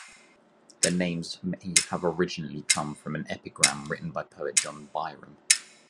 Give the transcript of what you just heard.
Their names may have originally come from an epigram written by poet John Byrom.